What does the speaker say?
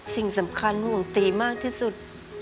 สิ่งสำคัญห่วงตีมากที่สุด